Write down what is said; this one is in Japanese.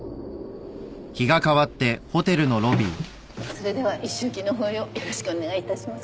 それでは一周忌の法要よろしくお願いいたします。